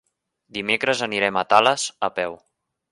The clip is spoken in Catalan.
Dimecres anirem a Tales a peu.